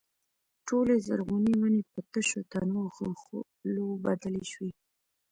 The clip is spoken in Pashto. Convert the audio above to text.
ټولې زرغونې ونې په تشو تنو او ښاخلو بدلې شوې.